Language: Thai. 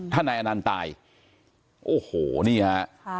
ถ้านายอนันต์ตายโอ้โหนี่ฮะ